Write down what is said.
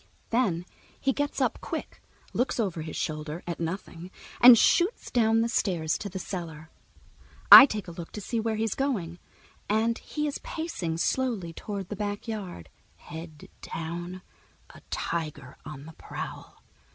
Then he gets up, quick, looks over his shoulder at nothing, and shoots down the stairs to the cellar. I take a look to see where he's going, and he is pacing slowly toward the backyard, head down, a tiger on the prowl.